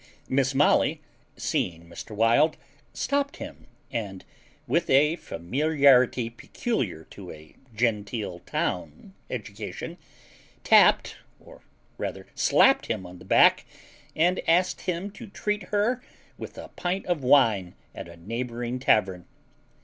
Miss Molly, seeing Mr. Wild, stopped him, and with a familiarity peculiar to a genteel town education, tapped, or rather slapped him on the back, and asked him to treat her with a pint of wine at a neighbouring tavern.